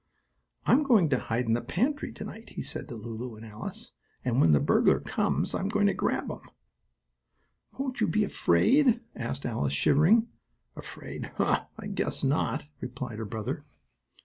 "I'm going to hide in the pantry to night," he said to Lulu and Alice, "and when the burglar comes I'm going to grab him." "Won't you be afraid?" asked Alice, shivering. "Afraid? Humph! I guess not," replied her brother.